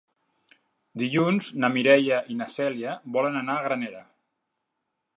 Dilluns na Mireia i na Cèlia volen anar a Granera.